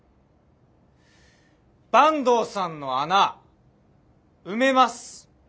坂東さんの穴埋めます。